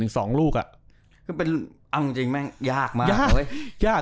อีกสองลูกอ่ะเอาจริงเลยมั้งยากมาก